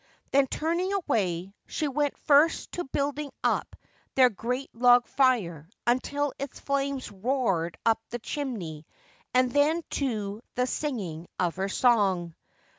Then, turning away, she went first to building up their great log fire until its flames roared up the chimney and then to the singing of her song.